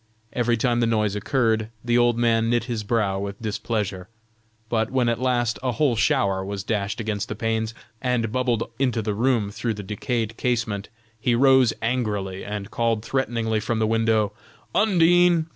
Every time the noise occurred, the old man knit his brow with displeasure; but when at last a whole shower was dashed against the panes, and bubbled into the room through the decayed casement, he rose angrily, and called threateningly from the window: "Undine!